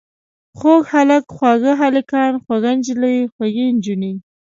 خوږ هلک، خواږه هلکان، خوږه نجلۍ، خوږې نجونې.